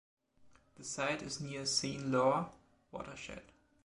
The site is near Seine-Loire watershed.